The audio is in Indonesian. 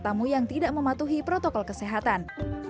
ketua kepua yang tidak mematuhi protokol kesehatan